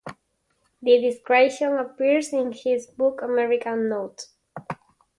The description appears in his book "American Notes".